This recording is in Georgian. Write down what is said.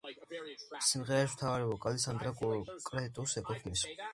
სიმღერაში მთავარი ვოკალი სანდრა კრეტუს ეკუთვნის.